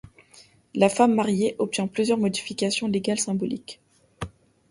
La femme mariée obtient aussi plusieurs modifications légales symboliques.